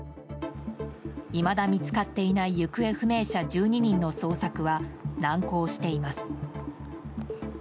いまだ見つかっていない行方不明者１２人の捜索は難航しています。